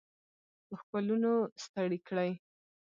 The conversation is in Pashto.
په ښکلونو ستړي کړي